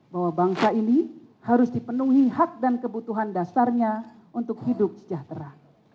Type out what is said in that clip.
bahwa bangsa ini harus dipenuhi hak dan kebutuhan dasarnya untuk hidup sejahtera